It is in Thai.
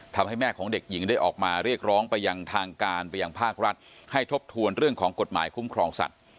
ทำให้แม่ของเด็กหญิงได้ออกมาเรียกร้องไปยังทางการไปยังภาครัฐให้ทบทวนเรื่องของกฎหมายคุ้มครองสัตว์